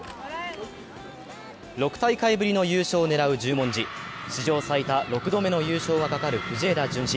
６大会ぶりの優勝を狙う十文字、史上最多６度目の優勝がかかる藤枝順心。